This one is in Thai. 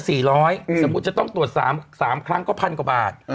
สมมุติจะต้องตรวจ๓ครั้งก็พันกว่าบาท